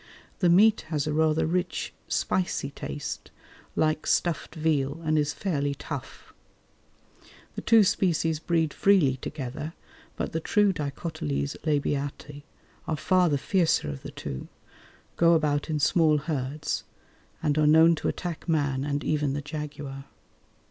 The meat has a rather rich, spicy taste, like stuffed veal, and is fairly tough. The two species breed freely together, but the true D. labiati are far the fiercer of the two, go about in small herds and are known to attack man and even the jaguar.